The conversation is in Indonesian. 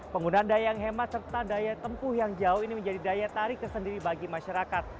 penggunaan daya yang hemat serta daya tempuh yang jauh ini menjadi daya tarik tersendiri bagi masyarakat